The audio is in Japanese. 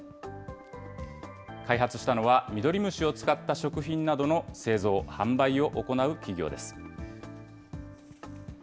開発したのはミドリムシを使った食品などの製造・販売を行う企業です。